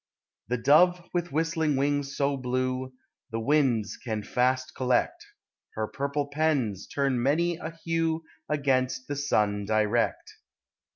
The dove with whistling wings so blue, The winds can fast collect, Her purple pens turn many a hue Against the sun direct.